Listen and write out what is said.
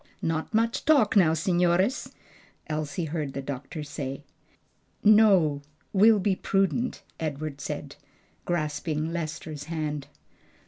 "Not much talk now, signores," Elsie heard the doctor say. "No; we'll be prudent," Edward said, grasping Lester's hand.